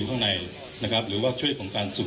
คุณผู้ชมไปฟังผู้ว่ารัฐกาลจังหวัดเชียงรายแถลงตอนนี้ค่ะ